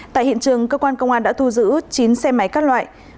tại hiện trường cơ quan công an đã thu giữ chín xe máy các loại